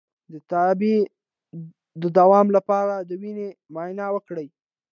د تبې د دوام لپاره د وینې معاینه وکړئ